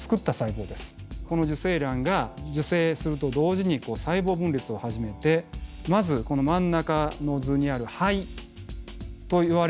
この受精卵が受精すると同時に細胞分裂を始めてまずこの真ん中の図にある胚といわれる状態になります。